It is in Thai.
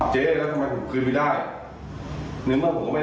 แกเป็นไรไม่ถูกแล้วก็ถามผมเหมือนกัน